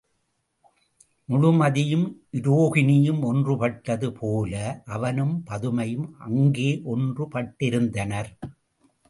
முழுமதியும் உரோகிணியும் ஒன்றுபட்டதுபோல அவனும் பதுமையும் அங்கே ஒன்று பட்டிருந்தனர்.